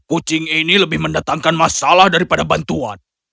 kucing ini lebih mendatangkan masalah daripada bantuan